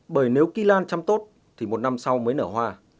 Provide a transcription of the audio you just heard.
bởi nếu kỳ lan chăm tốt thì một năm sau mới nở hoa